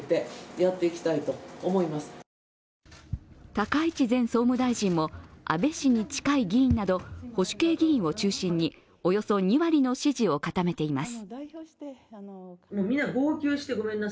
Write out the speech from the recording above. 高市前総務大臣も安倍氏に近い議員など保守系議員を中心におよそ２割の支持を固めています。